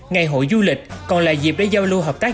ngày hội du lịch còn là dịp để giao lưu hợp tác